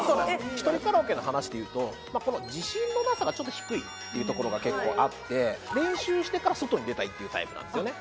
１人カラオケの話で言うとこの自信のなさがちょっと低いっていうところが結構あって練習してから外に出たいっていうタイプなんですよね